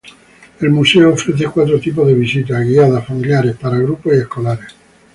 El Museo ofrece cuatro tipos de visitas: guiadas, familiares, para grupos y escolares.